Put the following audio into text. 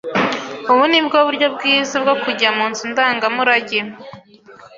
Ubu ni bwo buryo bwiza bwo kujya mu nzu ndangamurage?